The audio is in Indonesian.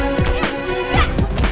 ini jurus berkat buku